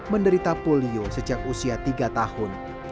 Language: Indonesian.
menderita polio sejak usia tiga tahun